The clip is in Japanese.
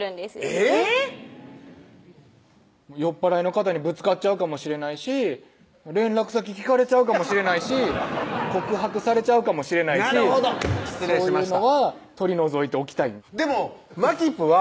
えぇっ⁉酔っ払いの方にぶつかっちゃうかもしれないし連絡先聞かれちゃうかもしれないし告白されちゃうかもしれないしそういうのは取り除いておきたいでもまきぷは